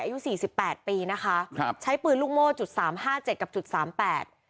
อายุสี่สิบแปดปีนะคะครับใช้ปืนลูกโม่จุดสามห้าเจ็ดกับจุดสามแปด